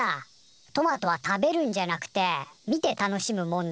「トマトは食べるんじゃなくて見て楽しむもんだ」